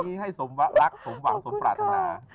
นี้ให้สมรักสมหวังสมปรารถนา